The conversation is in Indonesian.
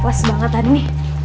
klas banget hadini